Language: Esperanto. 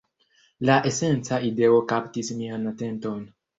La esenca ideo kaptis mian atenton